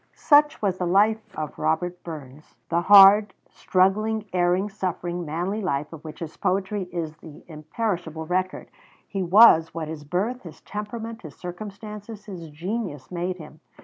"] Such was the life of Robert Burns, the hard, struggling, erring, suffering, manly life, of which his poetry is the imperishable record. He was what his birth, his temperament, his circumstances, his genius made him.